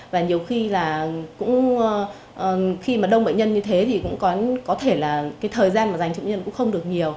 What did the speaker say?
và nhiều khi là cũng khi mà đông bệnh nhân như thế thì cũng có thể là cái thời gian mà dành cho bệnh nhân cũng không được nhiều